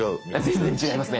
全然違いますね！